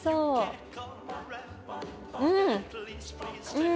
うん！